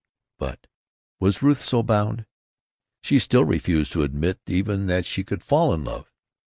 But—was Ruth so bound? She still refused to admit even that she could fall in love.